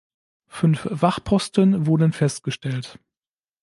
Fünf Wachposten wurden festgestellt.